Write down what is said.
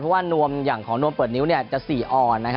เพราะว่านวมอย่างของนวมเปิดนิ้วจะ๔ออน